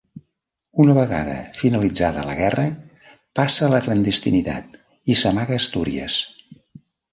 Una vegada finalitzada la guerra passa a la clandestinitat i s'amaga a Astúries.